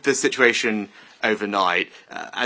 dengan situasi ini sepanjang malam